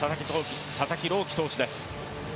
佐々木朗希投手です。